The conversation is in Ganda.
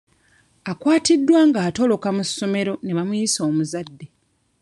Akwatiddwa nga atoloka mu ssomero ne bamuyisa omuzadde.